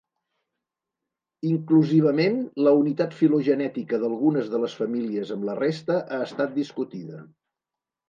Inclusivament la unitat filogenètica d'algunes de les famílies amb la resta ha estat discutida.